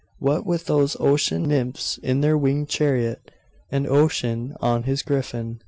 What with those ocean nymphs in their winged chariot, and Ocean on his griffin....